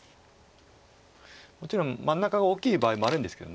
もちろん真ん中が大きい場合もあるんですけど。